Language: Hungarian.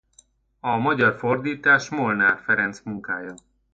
A magyar fordítás Molnár Ferenc munkája.